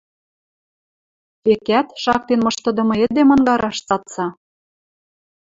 Векӓт, шактен мыштыдымы эдем ынгараш цаца.